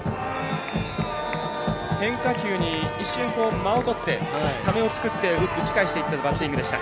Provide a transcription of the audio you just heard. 変化球に一瞬間をとってためを作って打ち返していくバッティングでした。